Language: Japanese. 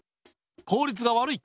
効率が悪い。